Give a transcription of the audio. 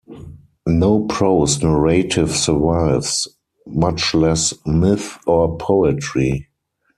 No prose narrative survives, much less myth or poetry.